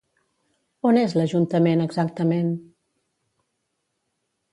On és l'Ajuntament exactament?